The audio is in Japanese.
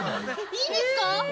◆いいんですか。